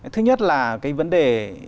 thứ nhất là cái vấn đề